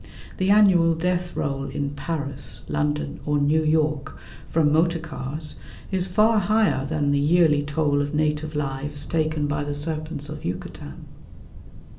The annual death roll in Paris, London or New York from motor cars is far higher than the yearly toll of native lives taken by the serpents of Yucatan.